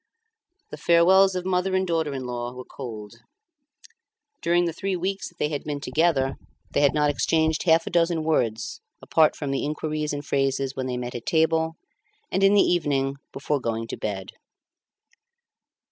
The farewells of mother and daughter in law were cold. During the three weeks that they had been together they had not exchanged half a dozen words apart from the inquiries and phrases when they met at table and in the evening before going to bed.